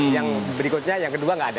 yang berikutnya yang kedua nggak ada